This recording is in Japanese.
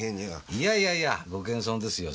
いやいやいやご謙遜ですよ